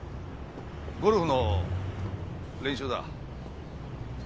ゴルフの練習だ。